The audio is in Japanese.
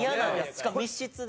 しかも密室で。